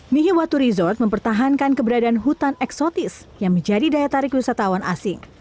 nihiwatu resort mempertahankan keberadaan hutan eksotis yang menjadi daya tarik wisatawan asing